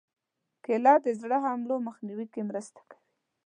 کېله د زړه حملو مخنیوي کې مرسته کوي.